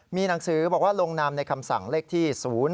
มีหนังสือบอกว่าลงนามในคำสั่งเลขที่๐๔